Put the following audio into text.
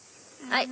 はい。